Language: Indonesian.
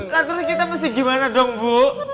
lalu kita mesti gimana dong bu